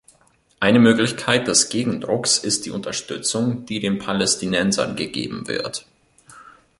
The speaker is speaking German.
Eine Möglichkeit des Gegendrucks ist die Unterstützung, die den Palästinensern gegeben wird.